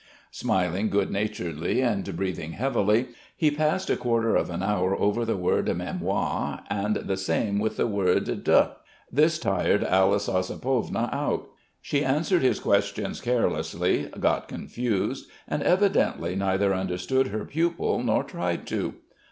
Smiling good naturedly and breathing heavily, he passed a quarter of an hour over the word mémoires and the same with the word de. This tired Alice Ossipovna out. She answered his questions carelessly, got confused and evidently neither understood her pupil nor tried to.